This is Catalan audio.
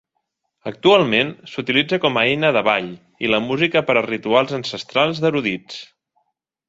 Actualment, s'utilitza com a eina de ball i la música per a rituals ancestrals d'erudits.